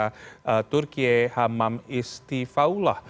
yaitu turki hamam isti faullah